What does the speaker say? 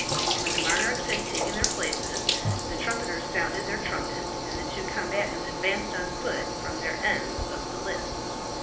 When the monarchs had taken their places the trumpeters sounded their trumpets, and the two combatants advanced on foot from their ends of the lists.